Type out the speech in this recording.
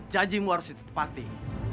janjimu harus ditepati